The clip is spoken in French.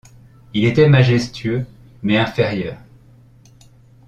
Il était majestueux, mais inférieur.